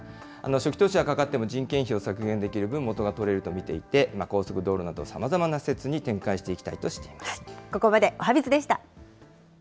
初期投資がかかっても人件費を削減できる分、もとが取れると見ていて、高速道路などさまざまな施設に展開していきたいとしています。